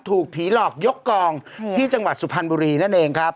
ถูกผีหลอกยกกองที่จังหวัดสุพรรณบุรีนั่นเองครับ